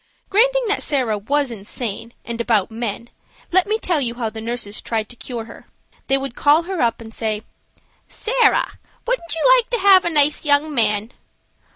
Granting that Sarah was insane, and about men, let me tell you how the nurses tried to cure(?) her. They would call her up and say: "Sarah, wouldn't you like to have a nice young man?"